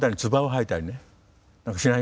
はい。